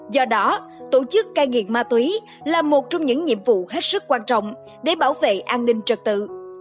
do đó tổ chức cai nghiện ma túy là một trong những nhiệm vụ hết sức quan trọng để bảo vệ an ninh trật tự